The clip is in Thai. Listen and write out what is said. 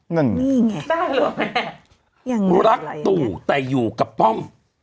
นั่นไงนี่ไงรักตู่แต่อยู่กับป้อม